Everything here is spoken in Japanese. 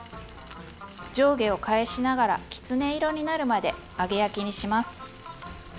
上下を返しながらきつね色になるまで揚げ焼きにします。